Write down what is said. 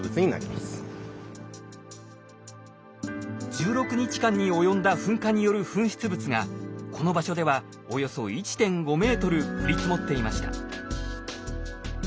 １６日間に及んだ噴火による噴出物がこの場所ではおよそ１．５ｍ降り積もっていました。